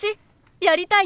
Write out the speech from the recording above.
やりたい！